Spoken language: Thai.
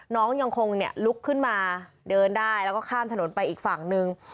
น้องยังคงลุกขึ้นมาเดินได้แล้วก็ข้ามถนนไปอีกฝั่งนึง